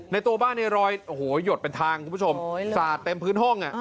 ตัวบ้านในรอยโอ้โหหยดเป็นทางคุณผู้ชมสาดเต็มพื้นห้อง